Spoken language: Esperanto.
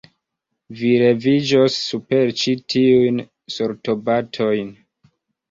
Vi leviĝos super ĉi tiujn sortobatojn.